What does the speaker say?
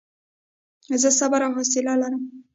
زه صبر او حوصله لرم.